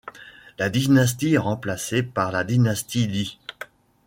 La dynastie est remplacée par la dynastie Lý.